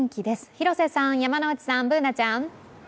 広瀬さん、山内さん、Ｂｏｏｎａちゃん。